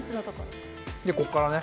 で、ここからね。